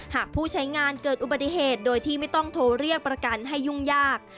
หากผู้ใช้งานเกิดอุบัติเหตุโดยที่ไม่ต้องโทรเรียกประกันให้ยุ่งยาก